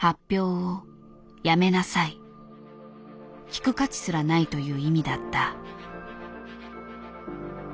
聞く価値すらないという意味だった。